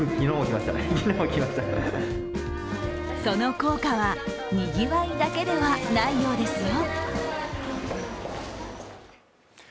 その効果は、にぎわいだけではないようですよ。